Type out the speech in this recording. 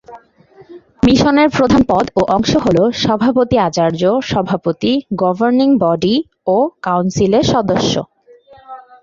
মিশনের প্রধান পদ ও অংশ হল সভাপতি -আচার্য, সভাপতি, গভর্নিং বডি ও কাউন্সিলের সদস্য।